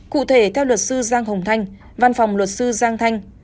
cụ thể theo luật sư giang hồng thanh văn phòng luật sư giang thanh